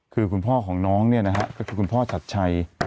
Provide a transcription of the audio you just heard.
คือคุณพ่อของน้องก็คือคุณพ่อชัดใช่